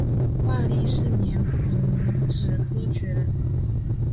万历四年丙子科举人。